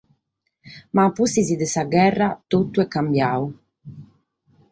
Ma a pustis de sa gherra, totu est cambiadu.